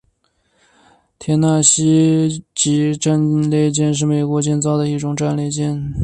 田纳西级战列舰是美国建造的一种战列舰。